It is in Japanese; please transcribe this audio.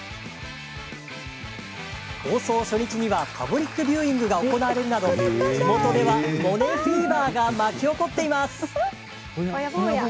放送初日には、パブリックビューイングが行われるなど地元ではモネフィーバーが巻き起こっています。